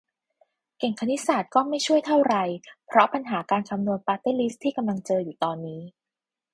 เก่งคณิตศาสตร์ก็ไม่ช่วยเท่าไร เพราะปัญหาการคำนวณปาร์ตี้ลิสต์ที่กำลังเจออยู่ตอนนี้